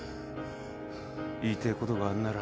言いてえことがあんなら